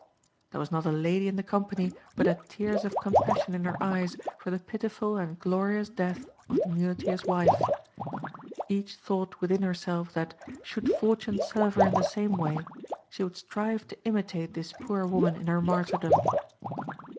There was not a lady in the company but had tears of compassion in her eyes for the pitiful and glorious death of the muleteer's wife. Each thought within herself that, should fortune serve her in the same way, she would strive to imitate this poor woman in her martyrdom.